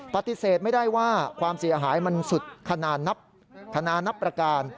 ปฏิเสธไม่ได้ว่าความเสียหายมันสุดขนาดนับประการ